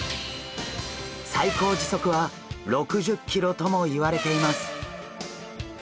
最高時速は６０キロともいわれています。